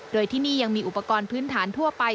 โดยที่นี่ยังมีอุปกรณ์พื้นฐานทั่วไป